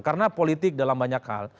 karena politik dalam banyak hal